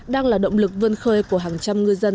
đang là động lực vươn khơi của hàng trăm ngư dân